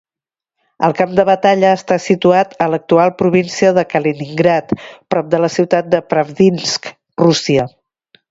El camp de batalla està situat a l'actual província de Kaliningrad, prop de la ciutat de Pravdinsk, Rússia.